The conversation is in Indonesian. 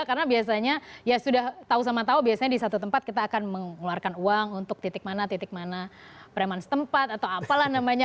karena biasanya ya sudah tahu sama tahu biasanya di satu tempat kita akan mengeluarkan uang untuk titik mana titik mana preman setempat atau apalah namanya